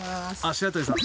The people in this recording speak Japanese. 白鳥さん。